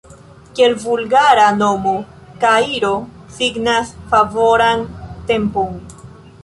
Kiel vulgara nomo kairo signas favoran tempon.